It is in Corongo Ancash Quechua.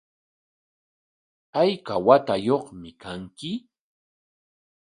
¿Ayka watayuqmi kanki?